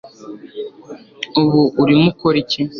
ubu urimo ukora iki